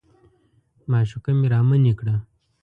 معشوقه مې رامنې کړه.